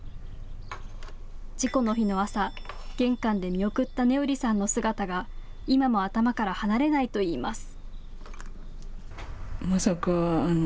事故の日の朝、玄関で見送った音織さんの姿が今も頭から離れないといいます。